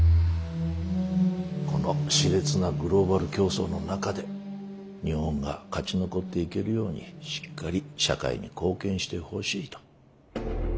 この熾烈なグローバル競争の中で日本が勝ち残っていけるようにしっかり社会に貢献してほしいと。